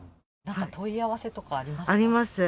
問い合わせとかありますか？